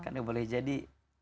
karena boleh jadi